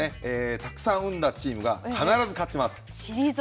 たくさん生んだチームが、必ず勝ちました。